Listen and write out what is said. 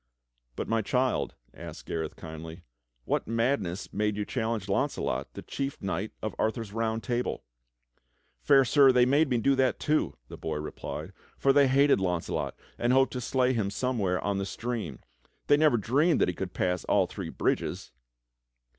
"But, my child" asked Gareth kindly, "what madness made you challenge Launcelot, the chief knight of Arthur's Round Table?" "Fair Sir, they made me do that too," the boy replied, "for they hated Launcelot, and hoped to slay him somewhere on the stream. They never dreamed that he could pass all three bridges."